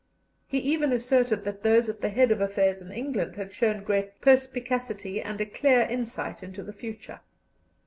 He even asserted that those at the head of affairs in England had shown great perspicacity and a clear insight into the future.